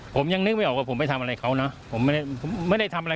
ผมไม่ได้ทำอะไรครับ